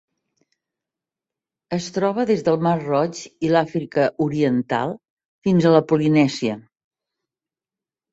Es troba des del mar Roig i l'Àfrica oriental fins a la Polinèsia.